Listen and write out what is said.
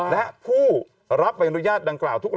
และผู้รับใบอนุญาตดังกล่าวทุกราย